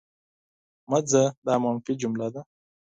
مه ځه! دا منفي جمله ده.